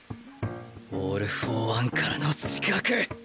オール・フォー・ワンからの刺客！